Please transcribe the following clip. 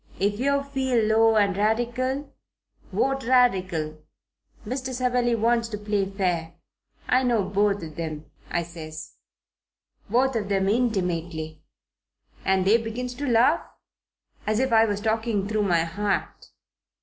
If yer feel low and Radical, vote Radical. Mr. Savelli wants to play fair. I know both of 'em,' I says, 'both of 'em intimately.' And they begins to laugh, as if I was talking through my hat.